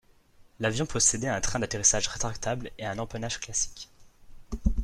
L'avion possédait un train d'atterrissage rétractable et un empennage classique.